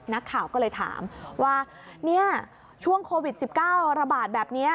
นักข่าวก็เลยถามว่าเนี่ยช่วงโควิด๑๙ระบาดแบบนี้